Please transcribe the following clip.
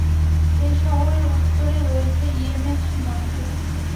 এ শহরের উত্তরে রয়েছে ইয়েমেন সীমান্ত।